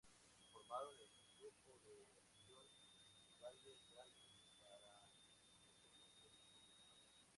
Formaron el grupo de acción del "Valley Gardens" para luchar contra este proyecto.